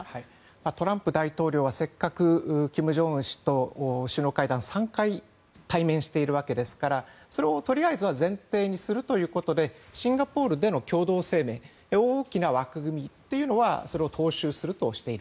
トランプ大統領は金正恩氏と３回対面しているわけですからそれをとりあえず前提にするということでシンガポールでの共同声明大きな枠組みというのはそれを踏襲するとしている。